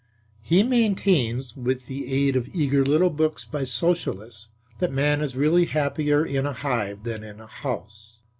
He maintains, with the aid of eager little books by Socialists, that man is really happier in a hive than in a house.